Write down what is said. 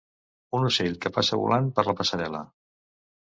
Un ocell que passa volant per la passarel·la.